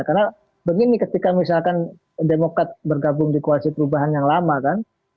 karena begini ketika misalkan demokrat bergabung di koalisi perubahan yang lama kan